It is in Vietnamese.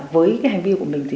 với hành vi của mình